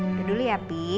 udah dulu ya pi